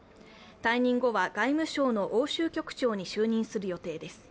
退任後は外務省の欧州局長に就任する予定です。